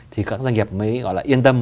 thì các doanh nghiệp mới gọi là yên tâm